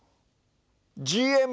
ＧＭ